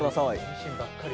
ミシンばっかり。